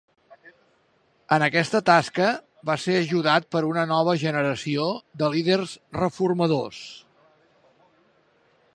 En aquesta tasca va ser ajudat per una nova generació de líders reformadors.